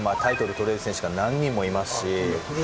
取れる選手が何人もいますし。